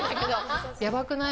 やばくない？